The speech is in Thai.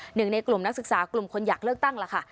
หนึ่งในกลุ่มนักศึกษากลุ่มคนอยากเลือกตั้งล่ะค่ะ